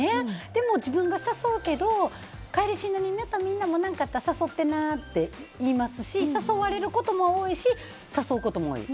でも自分が誘うけど帰りしなに、またみんなも何かあったら誘ってなって言いますし誘われることも多いし誘うことも多い。